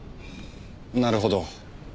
なるほど。